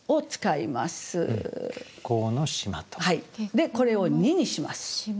でこれを「に」にします。